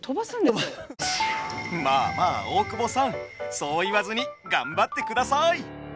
まあまあ大久保さんそう言わずに頑張ってください！